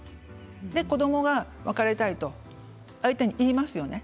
子どもが別れたいと相手に言いますよね。